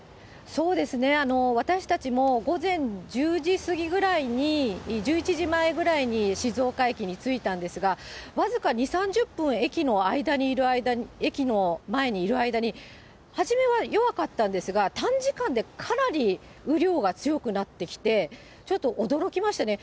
そうですね、私たちも午前１０時過ぎぐらいに、１１時前ぐらいに静岡駅についたんですが、僅か２、３０分、駅の前にいる間に、初めは弱かったんですが、短時間でかなり雨量が強くなってきて、ちょっと驚きましたね。